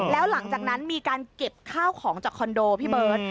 แล้วหลังจากนั้นมีการเก็บข้าวของจากคอนโดพี่เบิร์ต